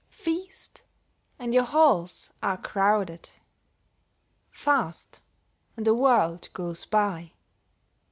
Feast, and your halls are crowded; Fast, and the world goes by.